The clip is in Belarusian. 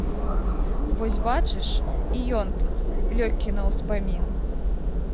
Вось бачыш, і ён тут, лёгкі на ўспамін.